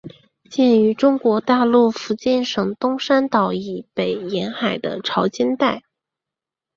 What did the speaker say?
见于中国大陆福建省东山岛以北沿海的潮间带。